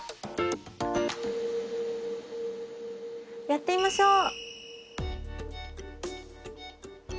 やってみましょう。